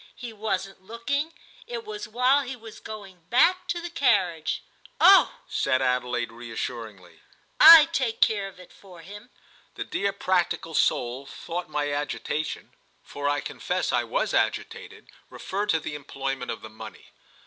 He wasn't looking; it was while he was going back to the carriage." "Oh," said Adelaide reassuringly, "I take care of it for him!" The dear practical soul thought my agitation, for I confess I was agitated, referred to the employment of the money.